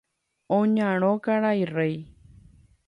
Oñarõ karai Réi.